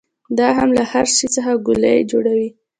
دا هم له هر شي څخه ګولۍ جوړوي.